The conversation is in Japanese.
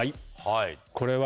これは。